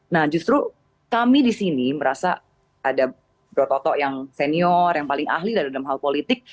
nah justru kami di sini merasa ada bro toto yang senior yang paling ahli dalam hal politik